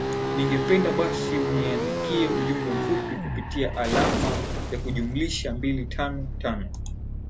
ningependa basi uniandikie ujumbe mfupi kupitia alama ya kujumlisha mbili tano tano